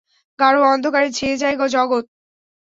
গাঢ় অন্ধকারে ছেয়ে যায় জগৎ।